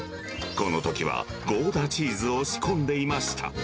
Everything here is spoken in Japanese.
このときはゴーダチーズを仕込んでいました。